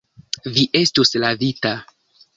Vi estus lavita.